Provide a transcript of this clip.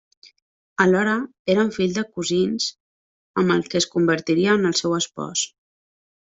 Alhora eren fills de cosins amb el que es convertiria en el seu espòs.